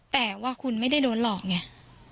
แต่ว่าคุณไม่ได้โดนหลอกไง